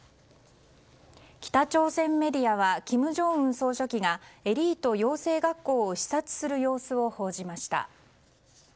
北朝鮮メディアは金正恩総書記がエリート養成学校を視察する様子を報じました。